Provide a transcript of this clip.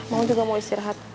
mama juga mau istirahat